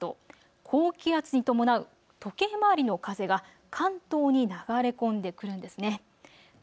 このため風を重ねて見ますと高気圧に伴う時計回りの風が関東に流れ込んでくるんですね。